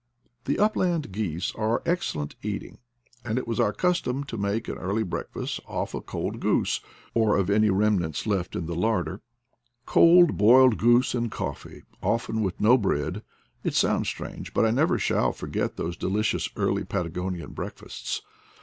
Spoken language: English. The upland geese are excellent eating, and it was our custom to make an early breakfast off a cold goose, or of any remnants left in the larder. Cold boiled goose and coffee, often with no bread — it sounds strange, but never shall I forget those delicious early Patagonian breakfasts.